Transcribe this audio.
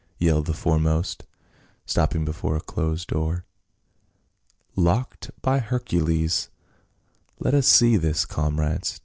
yelled the foremost, stopping before a closed door. " Locked, by Hercules ! Let us see to this, comrades.